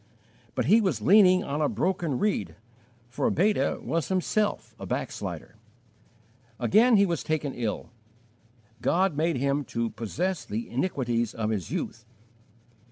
But he was leaning on a broken reed, for Beta was himself a backslider. Again he was taken ill. God made him to "possess the iniquities of his youth."